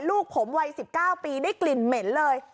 ลูกผมวัย๑๙ปีได้กลิ่นเหม็นเลย